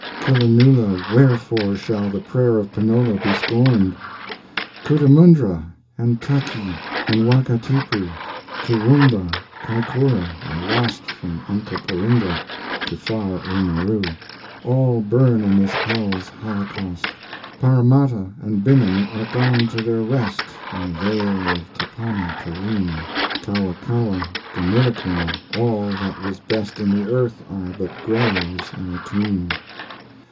Killanoola, wherefore Shall the prayer of Penola be scorned? Cootamundra, and Takee, and Wakatipu, Toowoomba, Kaikoura are lost From Onkaparinga to far Oamaru All burn in this hell's holocaust! Paramatta and Binnum are gone to their rest In the vale of Tapanni Taroom, Kawakawa, Deniliquin all that was best In the earth are but graves and a tomb!